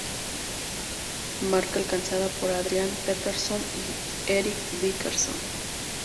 Marca alcanzada por Adrian Peterson y Eric Dickerson.